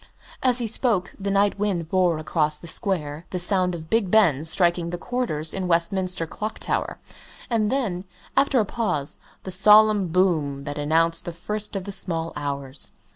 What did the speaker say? As he spoke, the night wind bore across the square the sound of Big Ben striking the quarters in Westminster Clock Tower, and then, after a pause, the solemn boom that announced the first of the small hours.